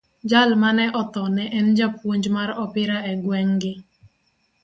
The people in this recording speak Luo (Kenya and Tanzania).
Jal mane otho ne en japuonj mar opira e gweng` gi.